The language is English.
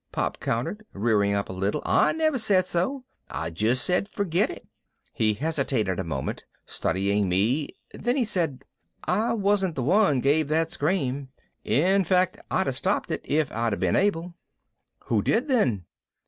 Pop countered, rearing up a little. "I never said so. I just said, 'Forget it.'" He hesitated a moment, studying me. Then he said, "I wasn't the one gave that scream. In fact, I'd have stopped it if I'd been able." "Who did then?"